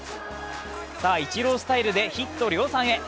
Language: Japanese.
さあ、イチロースタイルでヒット量産へ。